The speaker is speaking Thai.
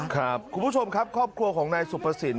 ครับคุณผู้ชมครับครอบครัวของนายสุพศิลป์